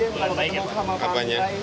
pak presiden apa apaan